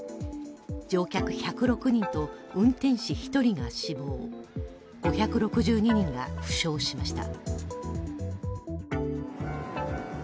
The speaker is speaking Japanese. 乗客１０６人と運転士１人が死亡、５６２人が負傷しました。